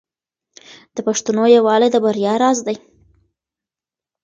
د پښتنو یووالی د بریا راز دی.